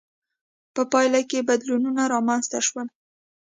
په پایله کې بدلونونه رامنځته شول.